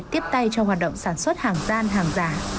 tiếp tay cho hoạt động sản xuất hàng gian hàng giả